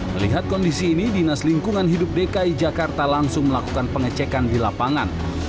melihat kondisi ini dinas lingkungan hidup dki jakarta langsung melakukan pengecekan di lapangan